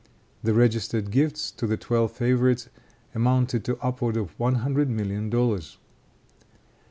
The registered gifts to the twelve favorites amounted to upward of one hundred million dollars.